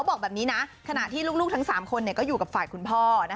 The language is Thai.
บอกแบบนี้นะขนาดที่ลูกทั้งสามคนก็อยู่กับฝ่าขวนพ่อ